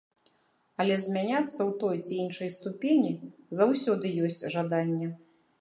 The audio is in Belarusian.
Але змяняцца ў той ці іншай ступені заўсёды ёсць жаданне.